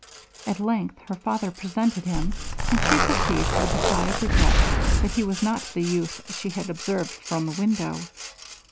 At length her father presented him, and she perceived, with a sigh of regret, that he was not the youth she had observed from the window.